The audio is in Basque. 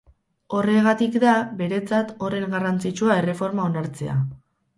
Horregatik da beretzat horren garrantzitsua erreforma onartzea.